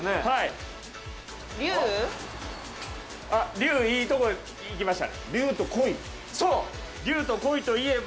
龍、いいとこいきました。